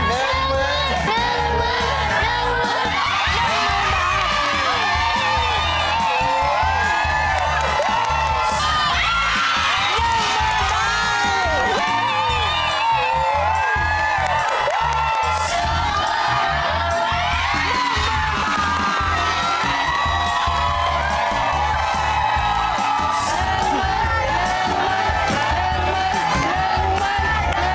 แม่มันแม่มันแม่มันแม่มัน